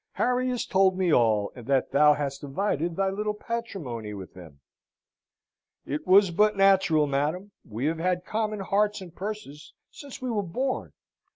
Harry has told me all, and that thou hast divided thy little patrimony with him!" "It was but natural, madam. We have had common hearts and purses since we were born.